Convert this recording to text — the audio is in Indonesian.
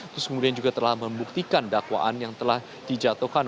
terus kemudian juga telah membuktikan dakwaan yang telah dijatuhkan